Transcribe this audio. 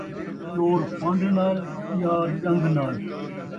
چور پن٘ڈ نال ، ڄار ڄن٘گھ نال